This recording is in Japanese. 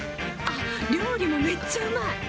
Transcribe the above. あっ料理もめっちゃうまい！